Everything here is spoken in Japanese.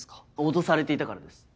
脅されていたからです。